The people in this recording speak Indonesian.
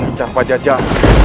tidak animatu bersih ramadan